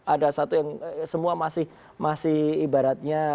ada satu yang semua masih ibaratnya